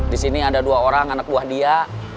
di sini ada dua orang anak buah dia